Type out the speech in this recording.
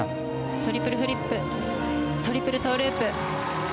トリプルフリップ・トリプルトーループ。